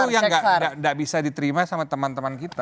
itu yang tidak bisa diterima sama teman teman kita